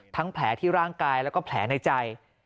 แผลที่ร่างกายแล้วก็แผลในใจ